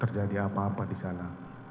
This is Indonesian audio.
terjadi apa apa disana